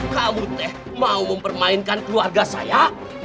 kamu teh mau mempermainkan keluarga saya